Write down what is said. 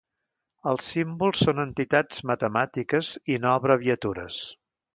Els símbols són entitats matemàtiques i no abreviatures.